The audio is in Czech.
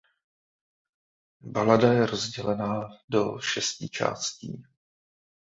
Balada je rozdělená do šesti částí.